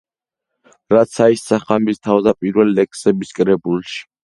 რაც აისახა მის თავდაპირველ ლექსების კრებულში.